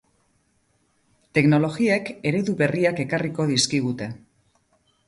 Teknologiek eredu berriak ekarriko dizkugute.